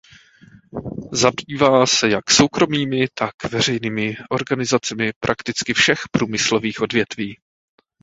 Zabývá se jak soukromými tak veřejnými organizacemi prakticky všech průmyslových odvětví.